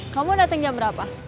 kamu datang jam berapa